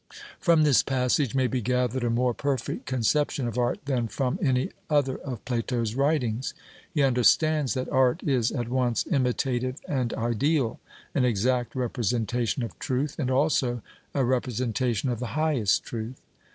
From this passage may be gathered a more perfect conception of art than from any other of Plato's writings. He understands that art is at once imitative and ideal, an exact representation of truth, and also a representation of the highest truth.